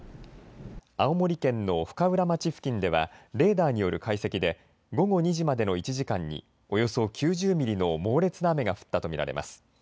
青森県の深浦町付近ではレーダーによる解析で午後２時までの１時間におよそ９０ミリの猛烈な雨が降ったと見られます。